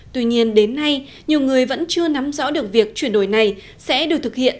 tuy nhiên đến nay nhiều người vẫn chưa nắm rõ được việc chuyển đổi này sẽ được thực hiện